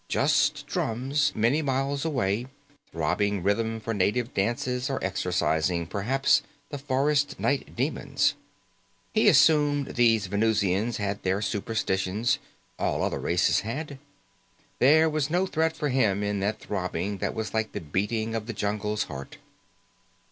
Just drums, many miles away, throbbing rhythm for native dances or exorcising, perhaps, the forest night demons. He assumed these Venusians had their superstitions, all other races had. There was no threat, for him, in that throbbing that was like the beating of the jungle's heart.